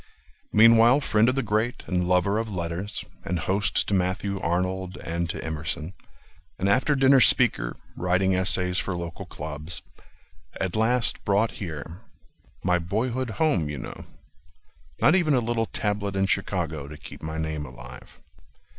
Meanwhile friend of the great, and lover of letters, And host to Matthew Arnold and to Emerson. An after dinner speaker, writing essays For local clubs. At last brought here— My boyhood home, you know— Not even a little tablet in Chicago To keep my name alive.